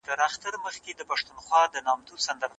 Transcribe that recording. دغه سړی په رښتیا سره په خپلو ټولو خبرو کي صادق و.